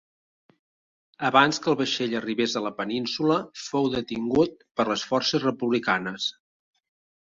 Abans que el vaixell arribés a la península fou detingut per les forces republicanes.